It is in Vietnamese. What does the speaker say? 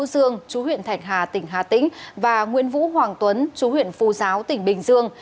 dương chú huyện thạch hà tỉnh hà tĩnh và nguyễn vũ hoàng tuấn chú huyện phu giáo tỉnh bình dương